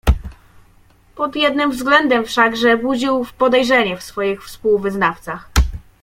"Pod jednym względem wszakże budził podejrzenie w swoich współwyznawcach."